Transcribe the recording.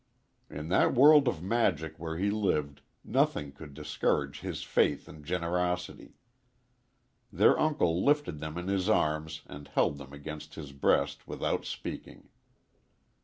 In that world of magic where he lived nothing could discourage his faith and generosity. Their uncle lifted them in his arms and held them against his breast without speaking.